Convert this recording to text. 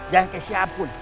jangan kayak siapun